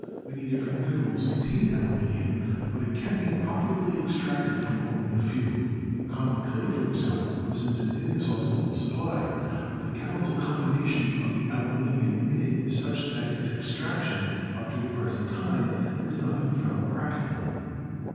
Many different minerals contain aluminium, but it can be profitably extracted from only a few. Common clay, for example, presents an in exhaustible supply, but the chemical combination of the aluminium in it is such that its extraction up to the pres ent time has not been found practicable.